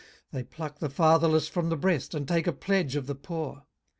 18:024:009 They pluck the fatherless from the breast, and take a pledge of the poor.